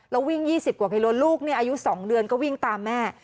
แล้ววิ่งยี่สิบกว่ากิโลลูกเนี่ยอายุสองเดือนก็วิ่งตามแม่